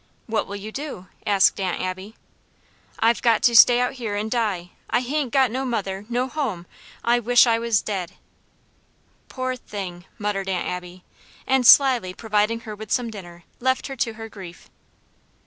"What will you do?" asked Aunt Abby. "I've got to stay out here and die. I ha'n't got no mother, no home. I wish I was dead." "Poor thing," muttered Aunt Abby; and slyly providing her with some dinner, left her to her grief.